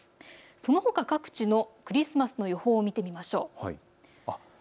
そのほか各地のクリスマスの予報を見てみましょう。